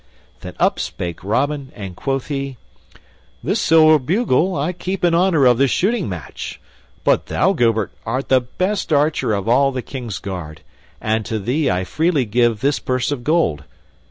Then up spake Robin, and quoth he, "This silver bugle I keep in honor of this shooting match; but thou, Gilbert, art the best archer of all the King's guard, and to thee I freely give this purse of gold.